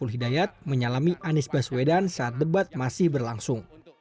hidayat menyalami anisbaswedan saat debat masih berlangsung